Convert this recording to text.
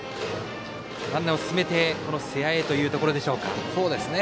ランナーを進めて瀬谷へというところでしょうか。